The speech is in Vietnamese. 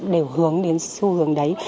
đều hướng đến xu hướng đấy